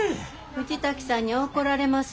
藤滝さんに怒られますよ。